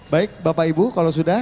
baik bapak ibu kalau sudah